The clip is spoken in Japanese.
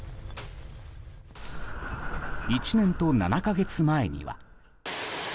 １年と７か月前には。